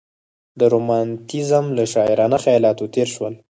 د رومانتیزم له شاعرانه خیالاتو تېر شول.